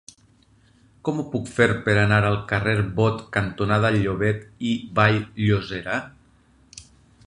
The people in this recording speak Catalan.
Com ho puc fer per anar al carrer Bot cantonada Llobet i Vall-llosera?